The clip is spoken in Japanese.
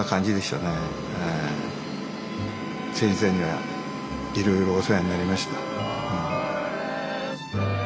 先生にはいろいろお世話になりました。